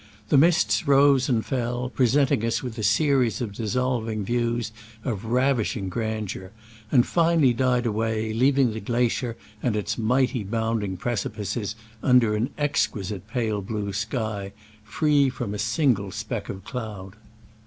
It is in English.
The mists rose and fell, presenting us with a series of dissolving views of ravishing grandeur, and finally died away, leaving the glacier and its mighty bounding precipices un der an exquisite pale blue sky, free from a single speck of cloud.